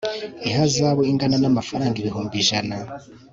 ihazabu ingana n amafaranga ibihumbi ijana